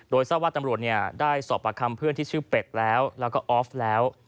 โดยสวาคตำรวจเนี่ยได้สอบประคัมเพื่อนที่ชื่อเปกแล้วก็อฟอฟแล้ว